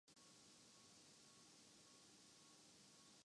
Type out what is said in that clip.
waste Indies کا دورہ پاکستان شائقین نے لمبی قطاروں میں لگ کر ٹکٹس حاصل کرلئے